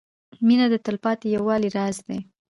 • مینه د تلپاتې یووالي راز دی.